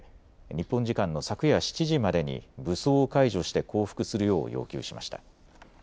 日本時間の昨夜７時までに武装を解除して降伏するよう要求しました。